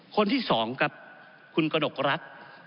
คนที่๒ครับคุณกระดกรัก